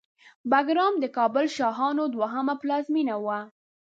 بګرام د کابل شاهانو دوهمه پلازمېنه وه